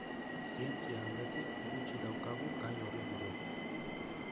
Zientzia aldetik gutxi daukagu gai horri buruz.